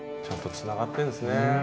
ちゃんとつながってるんですね。